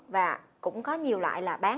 và cũng có nhiều loại là bán